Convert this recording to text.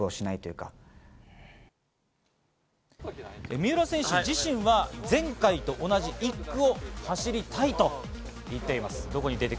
三浦選手自身は前回と同じ１区を走りたいと言っています。